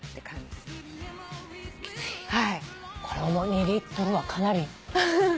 これ重い２リットルはかなり。